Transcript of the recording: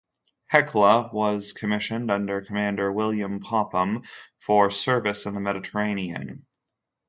"Hecla" was commissioned under Commander William Popham for service in the Mediterranean.